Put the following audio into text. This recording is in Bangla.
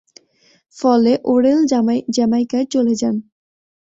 ফলে ওরেল জামাইকায় চলে যান।